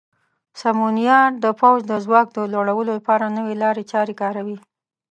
سمونیار د پوځ د ځواک د لوړولو لپاره نوې لارې چارې کاروي.